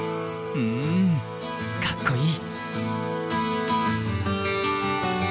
うんかっこいい。